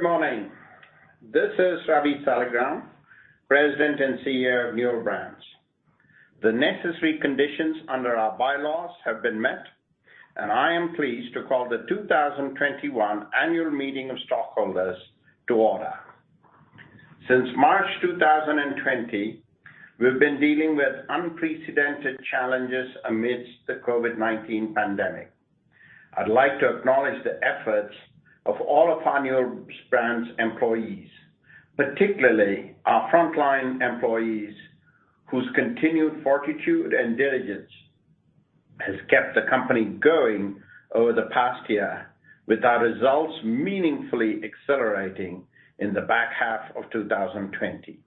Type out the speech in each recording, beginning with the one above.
Good morning. This is Ravi Saligram, President and CEO of Newell Brands. The necessary conditions under our bylaws have been met, and I am pleased to call the 2021 annual meeting of stockholders to order. Since March 2020, we've been dealing with unprecedented challenges amidst the COVID-19 pandemic. I'd like to acknowledge the efforts of all of Newell Brands' employees, particularly our frontline employees whose continued fortitude and diligence has kept the company going over the past year, with our results meaningfully accelerating in the back half of 2020.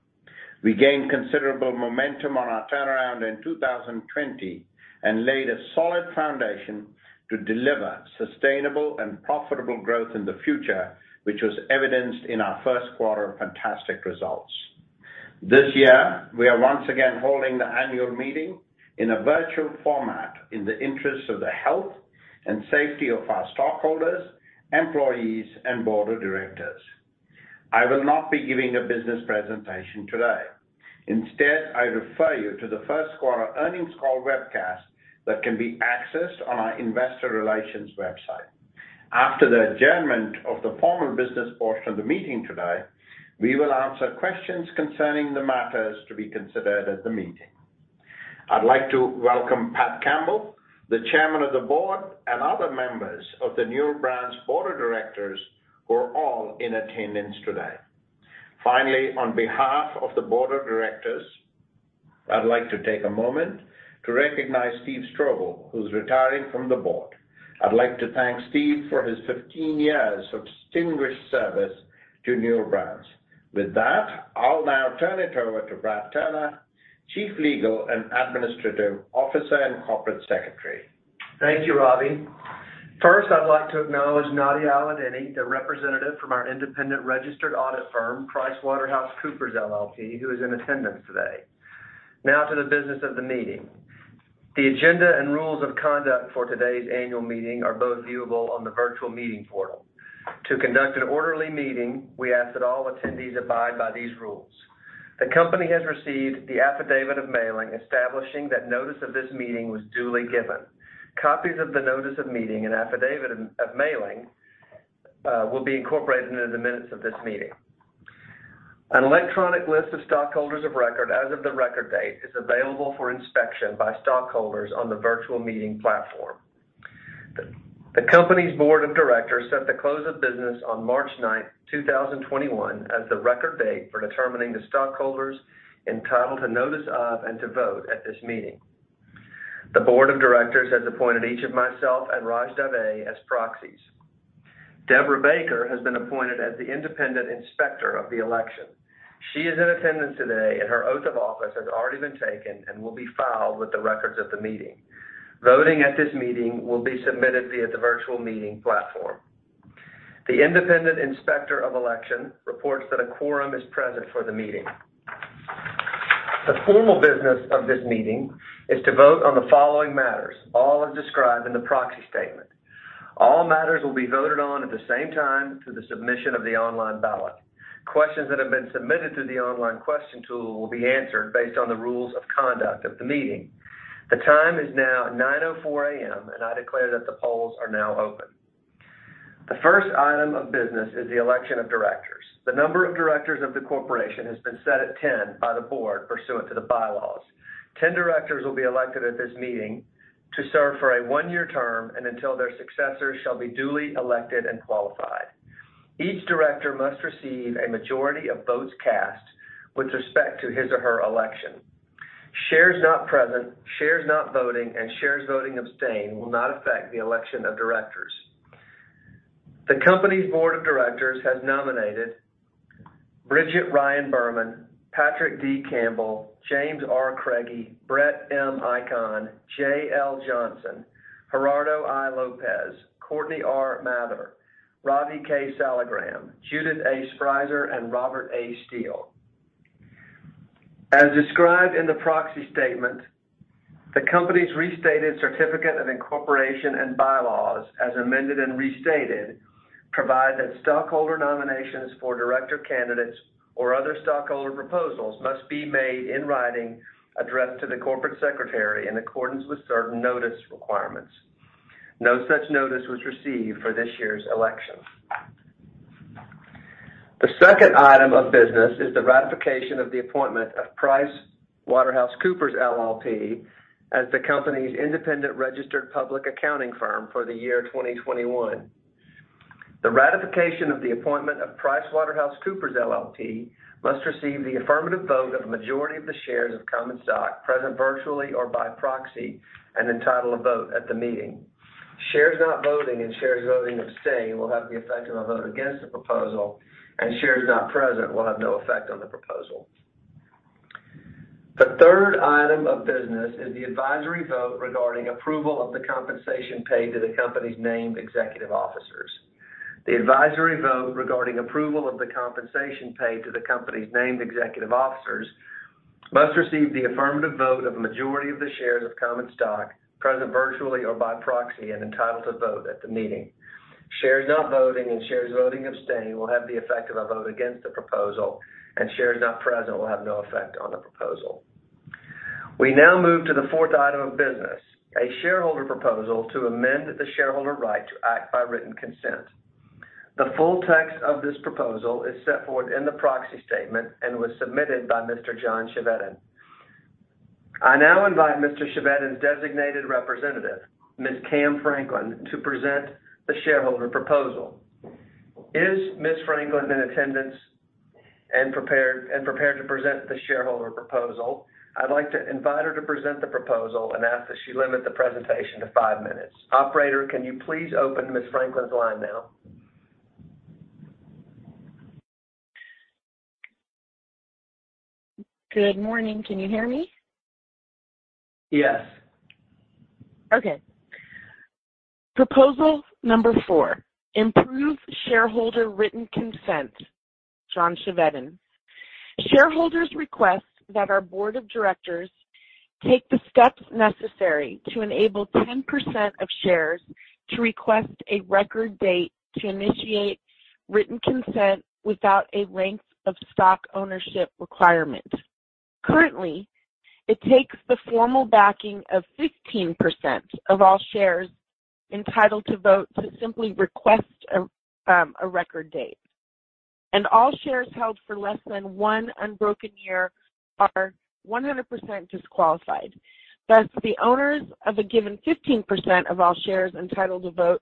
We gained considerable momentum on our turnaround in 2020 and laid a solid foundation to deliver sustainable and profitable growth in the future, which was evidenced in our first quarter fantastic results. This year, we are once again holding the annual meeting in a virtual format in the interest of the health and safety of our stockholders, employees, and Board of Directors. I will not be giving a business presentation today. Instead, I refer you to the first quarter earnings call webcast that can be accessed on our investor relations website. After the adjournment of the formal business portion of the meeting today, we will answer questions concerning the matters to be considered at the meeting. I'd like to welcome Patrick Campbell, the Chairman of the Board, and other members of the Newell Brands Board of Directors, who are all in attendance today. Finally, on behalf of the Board of Directors, I'd like to take a moment to recognize Steven Strobel, who's retiring from the Board. I'd like to thank Steve for his 15 years of distinguished service to Newell Brands. With that, I'll now turn it over to Bradford Turner, Chief Legal and Administrative Officer and Corporate Secretary. Thank you, Ravi. First, I'd like to acknowledge Nadia Allaudin, the representative from our independent registered audit firm, PricewaterhouseCoopers LLP, who is in attendance today. Now to the business of the meeting. The agenda and rules of conduct for today's annual meeting are both viewable on the virtual meeting portal. To conduct an orderly meeting, we ask that all attendees abide by these rules. The company has received the affidavit of mailing establishing that notice of this meeting was duly given. Copies of the notice of meeting and affidavit of mailing will be incorporated into the minutes of this meeting. An electronic list of stockholders of record as of the record date is available for inspection by stockholders on the virtual meeting platform. The company's Board of Directors set the close of business on March 9th, 2021, as the record date for determining the stockholders entitled to notice of and to vote at this meeting. The Board of Directors has appointed each of myself and Raj Dave as proxies. Deborah Baker has been appointed as the Independent Inspector of the Election. She is in attendance today, and her oath of office has already been taken and will be filed with the records of the meeting. Voting at this meeting will be submitted via the virtual meeting platform. The Independent Inspector of the Election reports that a quorum is present for the meeting. The formal business of this meeting is to vote on the following matters, all as described in the proxy statement. All matters will be voted on at the same time through the submission of the online ballot. Questions that have been submitted through the online question tool will be answered based on the rules of conduct of the meeting. The time is now 9:04 A.M. I declare that the polls are now open. The first item of business is the election of Directors. The number of Directors of the corporation has been set at 10 by the Board pursuant to the bylaws. 10 Directors will be elected at this meeting to serve for a one-year term and until their successors shall be duly elected and qualified. Each Director must receive a majority of votes cast with respect to his or her election. Shares not present, shares not voting, and shares voting abstain will not affect the election of Directors. The company's Board of Directors has nominated Bridget Ryan Berman, Patrick D. Campbell, James R. Craigie, Brett M. Icahn, J.L. Johnson, Gerardo I. Lopez, Courtney R. Mather. Mather, Ravi K. Saligram, Judith A. Sprieser, and Robert A. Steele. As described in the proxy statement, the company's restated certificate of incorporation and bylaws, as amended and restated, provide that stockholder nominations for Director candidates or other stockholder proposals must be made in writing addressed to the corporate secretary in accordance with certain notice requirements. No such notice was received for this year's election. The second item of business is the ratification of the appointment of PricewaterhouseCoopers LLP as the company's independent registered public accounting firm for the year 2021. The ratification of the appointment of PricewaterhouseCoopers LLP must receive the affirmative vote of a majority of the shares of common stock present virtually or by proxy and entitled to vote at the meeting. Shares not voting and shares voting abstain will have the effect of a vote against the proposal, and shares not present will have no effect on the proposal. The third item of business is the advisory vote regarding approval of the compensation paid to the company's named executive officers. The advisory vote regarding approval of the compensation paid to the company's named executive officers must receive the affirmative vote of a majority of the shares of common stock, present virtually or by proxy, and entitled to vote at the meeting. Shares not voting and shares voting abstain will have the effect of a vote against the proposal, and shares not present will have no effect on the proposal. We now move to the fourth item of business, a shareholder proposal to amend the shareholder right to act by written consent. The full text of this proposal is set forth in the proxy statement and was submitted by Mr. John Chevedden. I now invite Mr. Chevedden's designated representative, Ms. Cam Franklin, to present the shareholder proposal. Is Ms. Franklin in attendance and prepared to present the shareholder proposal? I'd like to invite her to present the proposal and ask that she limit the presentation to five minutes. Operator, can you please open Ms. Franklin's line now? Good morning. Can you hear me? Yes. Okay. Proposal number 4, improve shareholder written consent, John Chevedden. Shareholders request that our Board of Directors take the steps necessary to enable 10% of shares to request a record date to initiate written consent without a length of stock ownership requirement. Currently, it takes the formal backing of 15% of all shares entitled to vote to simply request a record date, and all shares held for less than one unbroken year are 100% disqualified. The owners of a given 15% of all shares entitled to vote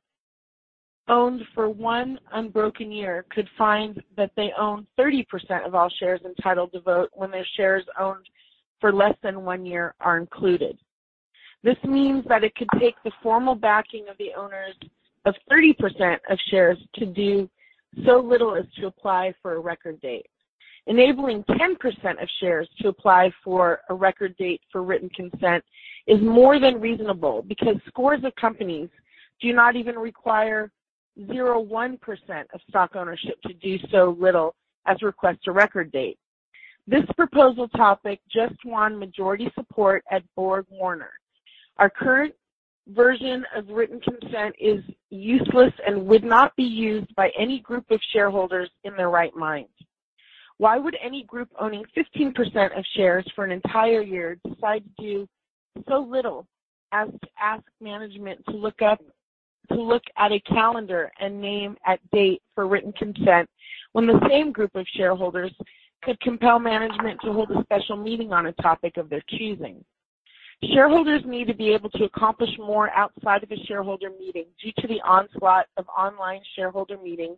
owned for one unbroken year could find that they own 30% of all shares entitled to vote when their shares owned for less than one year are included. It means that it could take the formal backing of the owners of 30% of shares to do so little as to apply for a record date. Enabling 10% of shares to apply for a record date for written consent is more than reasonable, because scores of companies do not even require 0.1% of stock ownership to do so little as request a record date. This proposal topic just won majority support at BorgWarner. Our current version of written consent is useless and would not be used by any group of shareholders in their right mind. Why would any group owning 15% of shares for an entire year decide to do so little as to ask management to look at a calendar and name a date for written consent when the same group of shareholders could compel management to hold a special meeting on a topic of their choosing? Shareholders need to be able to accomplish more outside of a shareholder meeting due to the onslaught of online shareholder meetings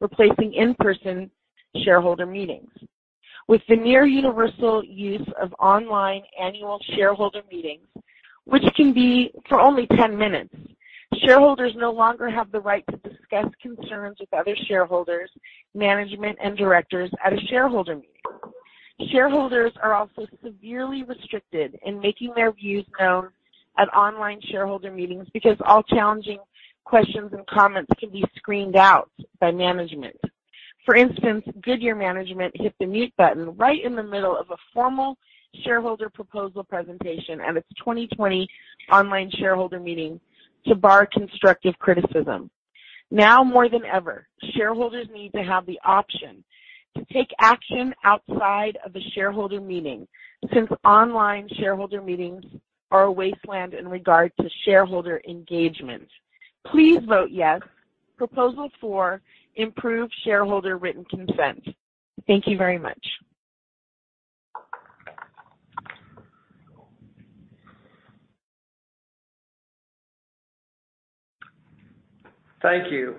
replacing in-person shareholder meetings. With the near universal use of online annual shareholder meetings, which can be for only 10 minutes, shareholders no longer have the right to discuss concerns with other shareholders, management, and Directors at a shareholder meeting. Shareholders are also severely restricted in making their views known at online shareholder meetings because all challenging questions and comments can be screened out by management. For instance, Goodyear management hit the mute button right in the middle of a formal shareholder proposal presentation at its 2020 online shareholder meeting to bar constructive criticism. Now more than ever, shareholders need to have the option to take action outside of a shareholder meeting, since online shareholder meetings are a wasteland in regard to shareholder engagement. Please vote yes. Proposal four, improve shareholder written consent. Thank you very much. Thank you.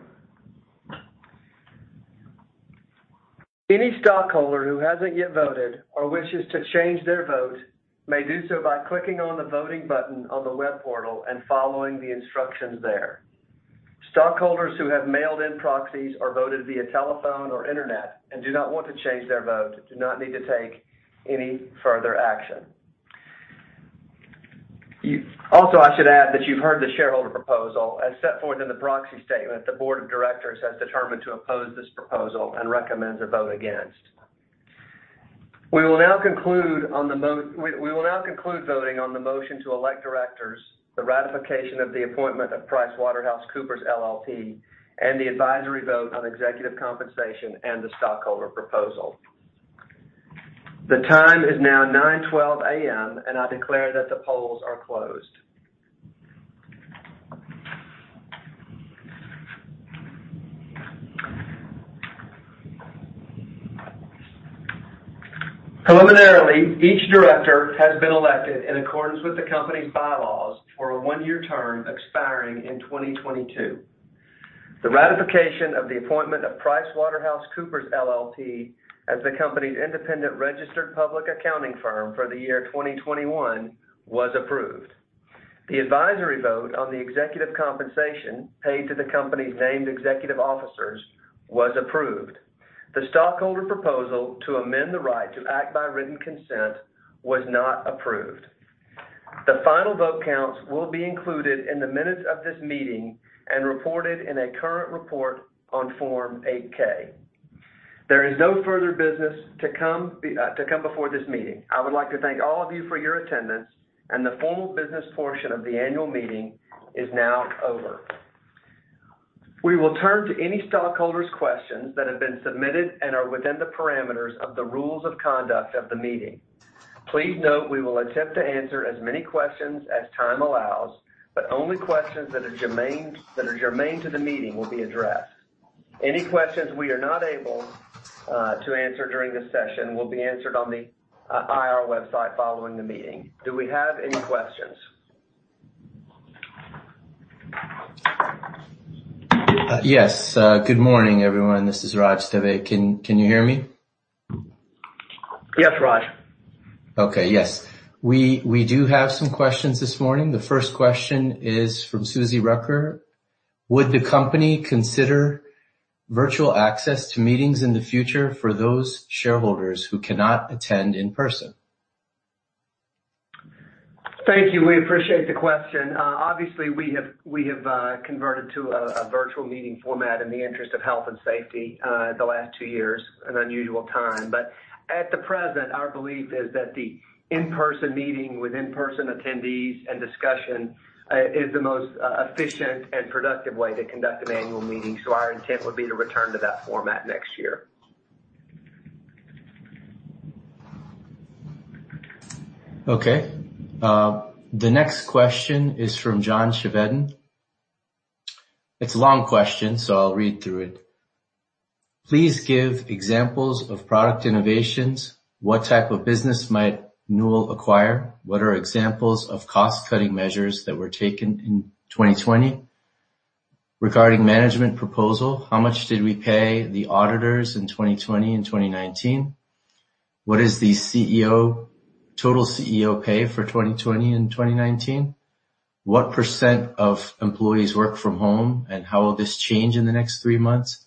Any stockholder who hasn't yet voted or wishes to change their vote may do so by clicking on the voting button on the web portal and following the instructions there. Stockholders who have mailed in proxies or voted via telephone or internet and do not want to change their vote do not need to take any further action. I should add that you've heard the shareholder proposal. As set forth in the proxy statement, the Board of Directors has determined to oppose this proposal and recommends a vote against. We will now conclude voting on the motion to elect Directors, the ratification of the appointment of PricewaterhouseCoopers LLP, and the advisory vote on executive compensation and the stockholder proposal. The time is now 9:12 A.M., and I declare that the polls are closed. Preliminarily, each Director has been elected in accordance with the company's bylaws for a one year term expiring in 2022. The ratification of the appointment of PricewaterhouseCoopers LLP as the company's independent registered public accounting firm for the year 2021 was approved. The advisory vote on the executive compensation paid to the company's named executive officers was approved. The stockholder proposal to amend the right to act by written consent was not approved. The final vote counts will be included in the minutes of this meeting and reported in a current report on Form 8-K. There is no further business to come before this meeting. I would like to thank all of you for your attendance. The formal business portion of the annual meeting is now over. We will turn to any stockholders' questions that have been submitted and are within the parameters of the rules of conduct of the meeting. Please note, we will attempt to answer as many questions as time allows, but only questions that are germane to the meeting will be addressed. Any questions we are not able to answer during this session will be answered on the IR website following the meeting. Do we have any questions? Yes. Good morning, everyone. This is Raj Dave. Can you hear me? Yes, Raj. Yes. We do have some questions this morning. The first question is from Suzy Rucker. Would the company consider virtual access to meetings in the future for those shareholders who cannot attend in person? Thank you. We appreciate the question. Obviously, we have converted to a virtual meeting format in the interest of health and safety the last two years, an unusual time. At the present, our belief is that the in-person meeting with in-person attendees and discussion is the most efficient and productive way to conduct an annual meeting. Our intent would be to return to that format next year. Okay. The next question is from John Chevedden. It's a long question, so I'll read through it. Please give examples of product innovations. What type of business might Newell acquire? What are examples of cost-cutting measures that were taken in 2020? Regarding management proposal, how much did we pay the auditors in 2020 and 2019? What is the total CEO pay for 2020 and 2019? What percent of employees work from home, and how will this change in the next three months?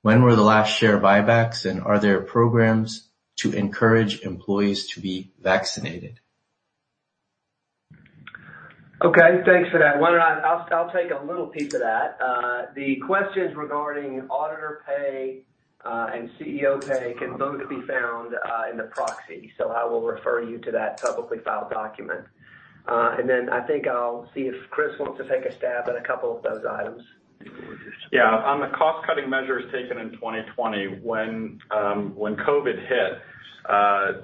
When were the last share buybacks, and are there programs to encourage employees to be vaccinated? Okay, thanks for that one. I'll take a little piece of that. The questions regarding auditor pay and CEO pay can both be found in the proxy. I will refer you to that publicly filed document. I think I'll see if Chris wants to take a stab at a couple of those items. Yeah. On the cost-cutting measures taken in 2020, when COVID hit,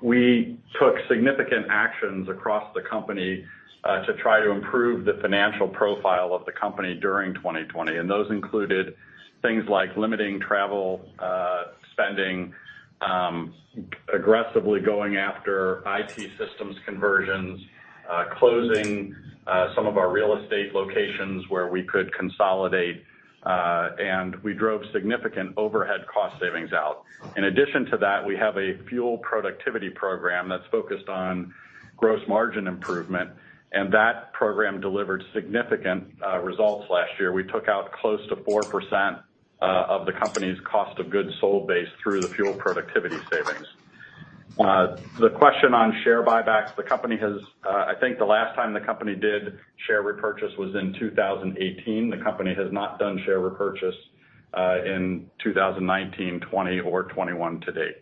we took significant actions across the company to try to improve the financial profile of the company during 2020, and those included things like limiting travel spending, aggressively going after IT systems conversions, closing some of our real estate locations where we could consolidate, and we drove significant overhead cost savings out. In addition to that, we have a FUEL productivity program that's focused on gross margin improvement, and that program delivered significant results last year. We took out close to 4% of the company's cost of goods sold based through the FUEL productivity savings. The question on share buybacks, I think the last time the company did share repurchase was in 2018. The company has not done share repurchase in 2019, 2020 or 2021 to date.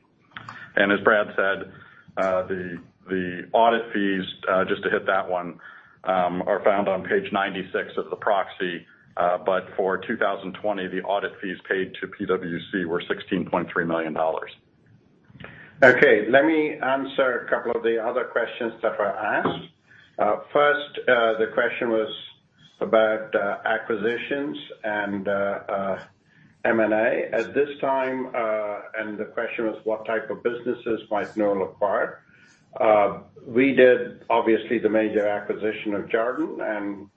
As Brad said, the audit fees, just to hit that one, are found on page 96 of the proxy. For 2020, the audit fees paid to PwC were $16.3 million. Okay, let me answer a couple of the other questions that were asked. First, the question was about acquisitions and M&A. At this time, the question was what type of businesses might Newell acquire? We did, obviously, the major acquisition of Jarden.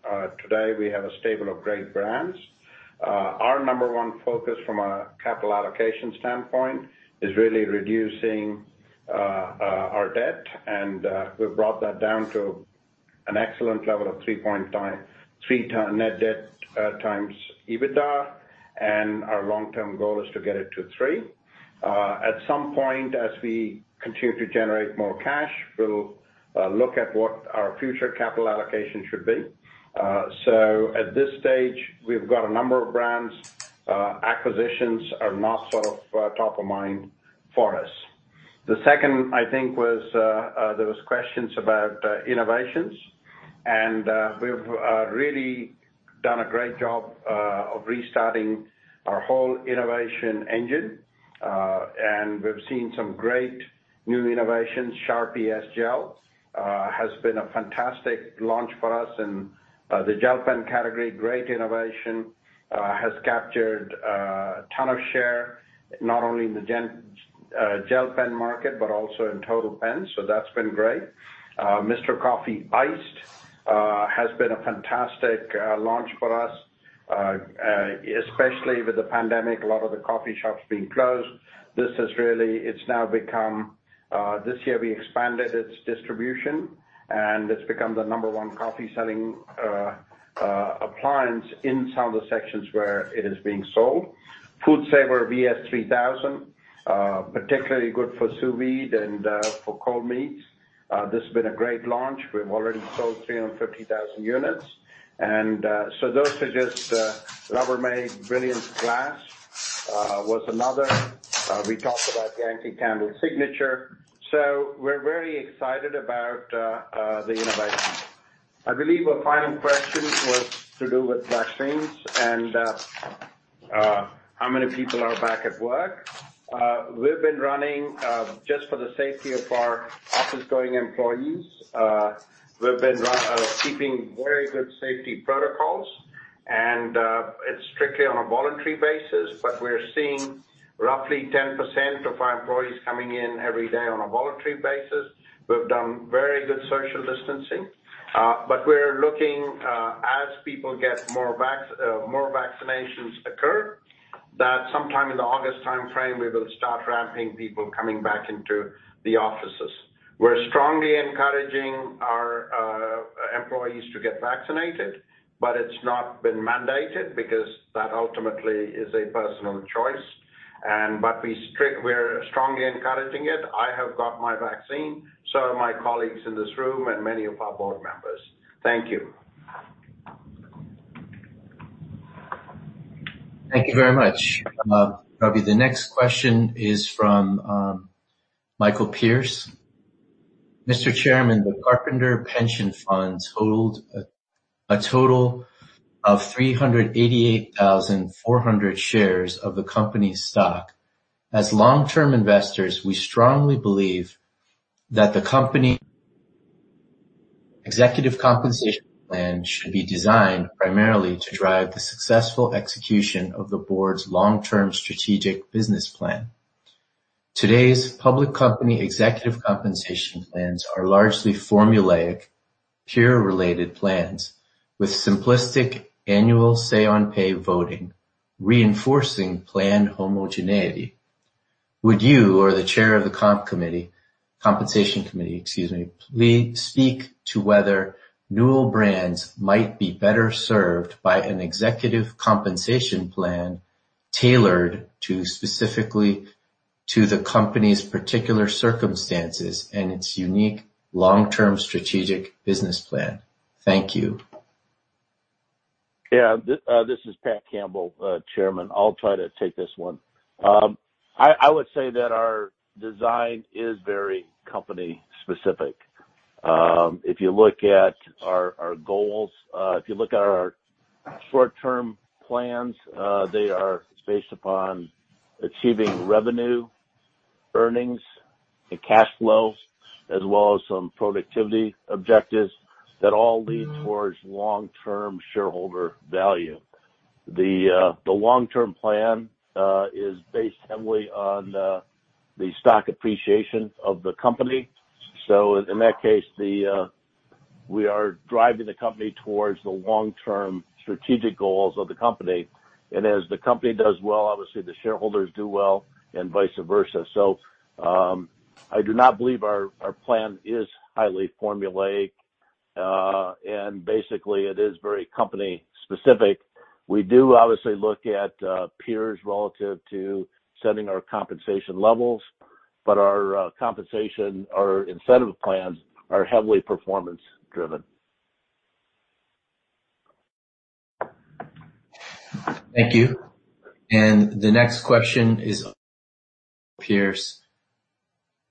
Today we have a stable of great brands. Our number one focus from a capital allocation standpoint is really reducing our debt. We've brought that down to an excellent level of 3 net debt times EBITDA. Our long-term goal is to get it to 3. At some point, as we continue to generate more cash, we'll look at what our future capital allocation should be. At this stage, we've got a number of brands. Acquisitions are not sort of top of mind for us. The second, I think, there was questions about innovations. We've really done a great job of restarting our whole innovation engine. We've seen some great new innovations. Sharpie S-Gel has been a fantastic launch for us in the gel pen category. Great innovation. Has captured a ton of share, not only in the gel pen market, but also in total pens. That's been great. Mr. Coffee Iced has been a fantastic launch for us. Especially with the pandemic, a lot of the coffee shops being closed, this year we expanded its distribution. It's become the number 1 coffee selling appliance in some of the sections where it is being sold. FoodSaver VS3000. Particularly good for sous vide and for cold meats. This has been a great launch. We've already sold 350,000 units. Those are just Rubbermaid Brilliance Glass was another. We talked about the Yankee Candle Signature Collection. We're very excited about the innovations. I believe our final question was to do with vaccines and how many people are back at work. We've been running, just for the safety of our office-going employees, we've been keeping very good safety protocols, and it's strictly on a voluntary basis, but we're seeing roughly 10% of our employees coming in every day on a voluntary basis. We've done very good social distancing. We're looking, as people get more vaccinations occur, that sometime in the August timeframe, we will start ramping people coming back into the offices. We're strongly encouraging our employees to get vaccinated, but it's not been mandated because that ultimately is a personal choice. We're strongly encouraging it. I have got my vaccine, so have my colleagues in this room and many of our Board members. Thank you. Thank you very much, Ravi. The next question is from Michael Pierce. Mr. Chairman, the Carpenter Pension Fund hold a total of 388,400 shares of the company's stock. As long-term investors, we strongly believe that the company executive compensation plan should be designed primarily to drive the successful execution of the Board's long-term strategic business plan. Today's public company executive compensation plans are largely formulaic, peer-related plans with simplistic annual say-on-pay voting, reinforcing plan homogeneity. Would you or the Chair of the compensation committee, please speak to whether Newell Brands might be better served by an executive compensation plan tailored specifically to the company's particular circumstances and its unique long-term strategic business plan? Thank you. Yeah. This is Patrick Campbell, Chairman. I'll try to take this one. I would say that our design is very company specific. If you look at our goals, if you look at our short-term plans, they are based upon achieving revenue, earnings, and cash flow, as well as some productivity objectives that all lead towards long-term shareholder value. The long-term plan is based heavily on the stock appreciation of the company. In that case, we are driving the company towards the long-term strategic goals of the company. As the company does well, obviously the shareholders do well, and vice versa. I do not believe our plan is highly formulaic. Basically, it is very company specific. We do obviously look at peers relative to setting our compensation levels, but our compensation, our incentive plans are heavily performance driven. Thank you. The next question is Pierce.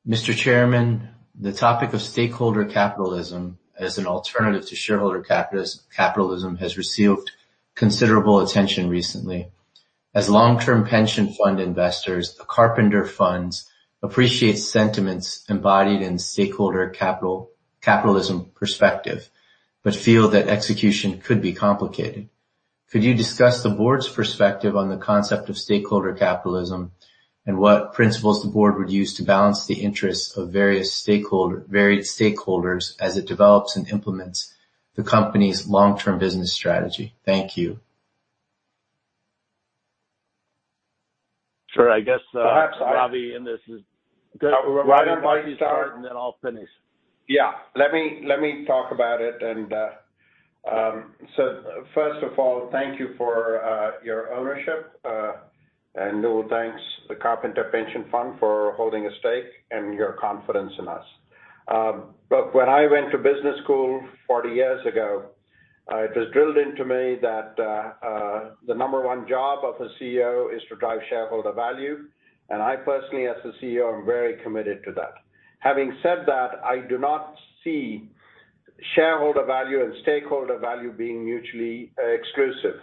Mr. Chairman, the topic of stakeholder capitalism as an alternative to shareholder capitalism has received considerable attention recently. As long-term pension fund investors, the Carpenter Funds appreciate sentiments embodied in stakeholder capitalism perspective, but feel that execution could be complicated. Could you discuss the Board's perspective on the concept of stakeholder capitalism and what principles the Board would use to balance the interests of varied stakeholders as it develops and implements the company's long-term business strategy? Thank you. Sure. I guess, perhaps, Ravi in this is good. Why don't you start and then I'll finish. Yeah. Let me talk about it. First of all, thank you for your ownership, Newell thanks the Carpenter Pension Fund for holding a stake and your confidence in us. Look, when I went to business school 40 years ago, it was drilled into me that the number one job of a CEO is to drive shareholder value, and I personally, as the CEO, am very committed to that. Having said that, I do not see shareholder value and stakeholder value being mutually exclusive.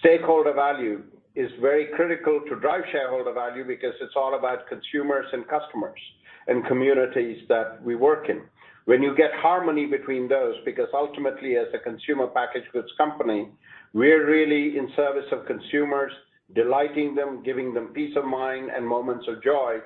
Stakeholder value is very critical to drive shareholder value because it's all about consumers and customers and communities that we work in. When you get harmony between those, because ultimately, as a consumer packaged goods company, we're really in service of consumers, delighting them, giving them peace of mind and moments of joy.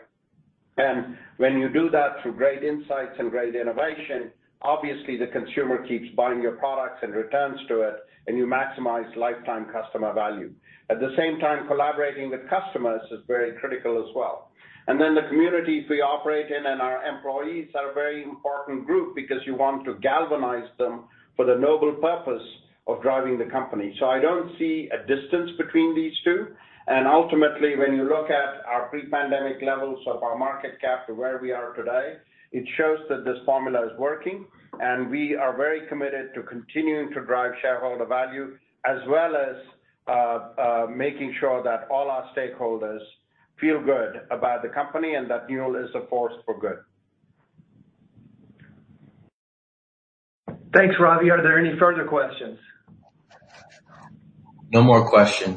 When you do that through great insights and great innovation, obviously the consumer keeps buying your products and returns to it, and you maximize lifetime customer value. At the same time, collaborating with customers is very critical as well. The communities we operate in and our employees are a very important group because you want to galvanize them for the noble purpose of driving the company. I don't see a distance between these two, and ultimately, when you look at our pre-pandemic levels of our market cap to where we are today, it shows that this formula is working, and we are very committed to continuing to drive shareholder value, as well as making sure that all our stakeholders feel good about the company and that Newell is a force for good. Thanks, Ravi. Are there any further questions? No more questions.